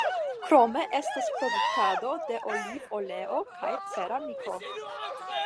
Krome estas produktado de olivoleo kaj ceramiko.